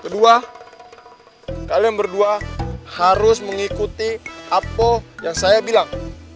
kedua kalian berdua harus mengikuti apple yang saya bilang